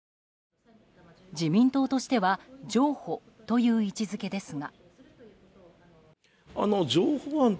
自民党としては譲歩という位置づけですが。